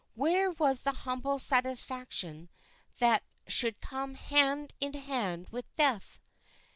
Where was the humble satisfaction that should come hand in hand with death?